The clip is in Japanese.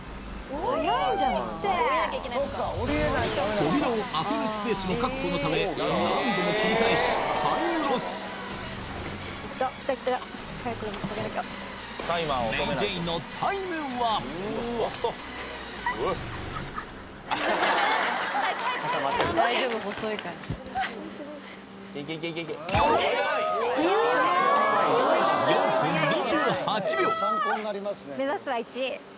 扉を開けるスペースの確保のため何度も切り返しタイムロス４分２８秒